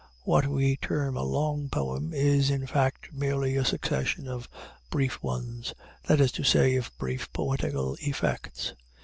What we term a long poem is, in fact, merely a succession of brief ones that is to say, of brief poetical effects.